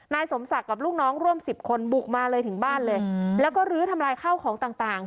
นายสมศักดิ์กับลูกน้องร่วมสิบคนบุกมาเลยถึงบ้านเลยแล้วก็ลื้อทำลายข้าวของต่าง